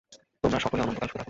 তোমরা সকলে অনন্তকাল সুখে থাক।